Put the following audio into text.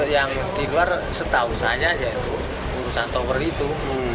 yang di luar setahu saja ya itu urusan tover itu